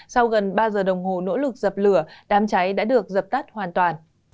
sau gần ba giờ đồng hồ nỗ lực dập lửa đám cháy đã được dập tắt hoàn toàn